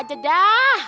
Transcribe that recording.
liat aja dah